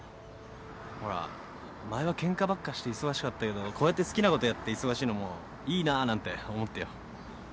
ほら前はケンカばっかして忙しかったけどこうやって好きなことやって忙しいのもいいななんて思ってよ。